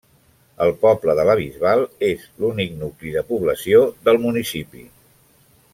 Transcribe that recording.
El poble de la Bisbal és l'únic nucli de població del municipi.